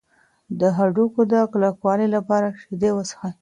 د هډوکو د کلکوالي لپاره شیدې وڅښئ.